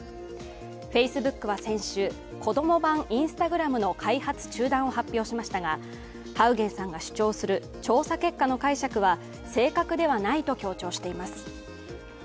Ｆａｃｅｂｏｏｋは先週、子供版Ｉｎｓｔａｇｒａｍの開発中断を発表しましたがハウゲンさんが主張する調査結果の解釈は正確ではないと強調しています。